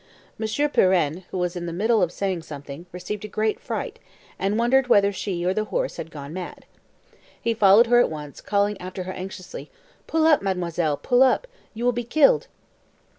Monsieur Pirenne, who was in the middle of saying something, received a great fright, and wondered whether she or her horse had gone mad. He followed her at once, calling after her anxiously, "Pull up, mademoiselle, pull up! You will be killed!"